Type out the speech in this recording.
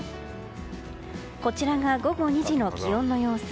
こちらが午後２時の気温の様子。